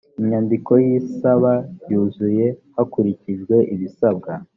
inyandiko y’isaba yuzuye hakurikijwe ibisabwa